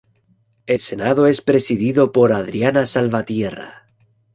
El Senado es presidido por Adriana Salvatierra.